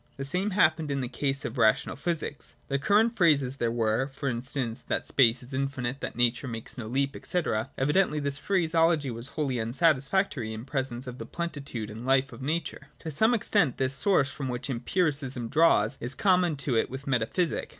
The same happened in the case of Rational Physics. The current phrases there were, for instance, that space is infinite, that Nature makes no leap, &c. Evidently this phraseology was wholly unsatisfactory in presence of the plenitude and life of nature. 38.] To some extent this source from which Empiri cism draws is common to it with metaphysic.